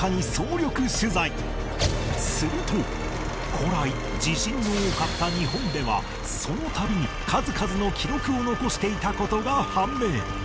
すると古来地震の多かった日本ではその度に数々の記録を残していた事が判明